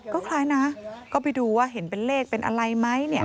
ก็คล้ายนะก็ไปดูว่าเห็นเป็นเลขเป็นอะไรไหมเนี่ย